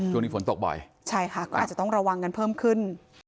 ช่วงนี้ฝนตกบ่อยใช่ค่ะก็อาจจะต้องระวังกันเพิ่มขึ้น